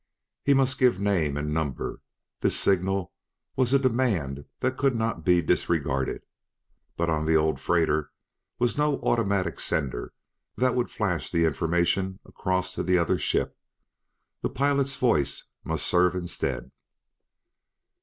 He must give name and number this signal was a demand that could not be disregarded but on the old freighter was no automatic sender that would flash the information across to the other ship; the pilot's voice must serve instead.